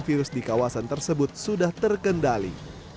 virus di kawasan tersebut sudah terkendali